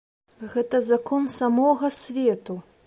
Гэта закон самога свету.